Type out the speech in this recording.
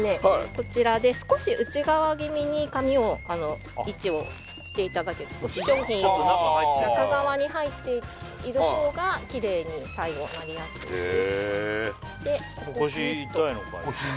こちらで少し内側ぎみに紙を位置をしていただけると少し商品より中側に入っているほうがきれいに最後なりやすいですへえ